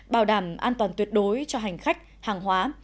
bảo đảm an toàn tuyệt đối cho hành khách hàng hóa